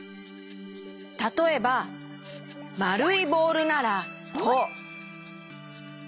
たとえばまるいボールならこう。